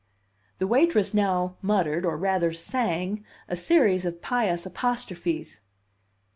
The waitress now muttered, or rather sang, a series of pious apostrophes.